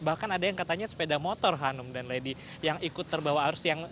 bahkan ada yang katanya sepeda motor hanum dan lady yang ikut terbawa arus yang